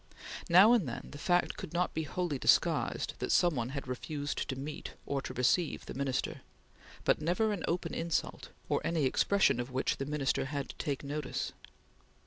Now and then, the fact could not be wholly disguised that some one had refused to meet or to receive the Minister; but never an open insult, or any expression of which the Minister had to take notice.